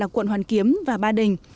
quận hoàn kiếm và ba đình